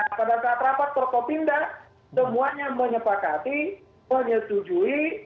nah pada saat rapat prokopimda semuanya menyepakati menyetujui